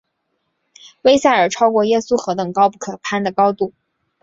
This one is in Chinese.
威塞尔超过耶稣何等高不可攀的高度！